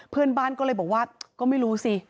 เพื่อนบ้านก็เลยบอกว่าก็ไม่รู้สิ